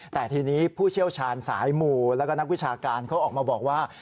แต่ทีนี้ผู้เชี่ยวชาญสายหมู่แล้วก็นักวิชาการเขาออกมาบอกว่า